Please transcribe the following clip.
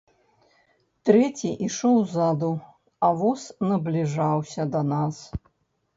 Трэці ішоў ззаду, а воз набліжаўся да нас.